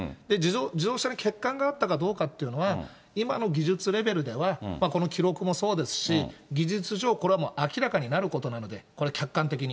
自動車に欠陥があったかどうかというのは、今の技術レベルでは、この記録もそうですし、技術上これは明らかになることなので、これは客観的に。